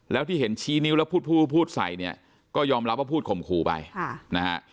แล้วที่เห็นชี้นิ้วแล้วพูดพูดใส่เนี่ยก็ยอมรับว่าพูดข่มขู่ไปนะฮะ